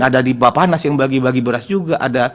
ada di bapanas yang bagi bagi beras juga ada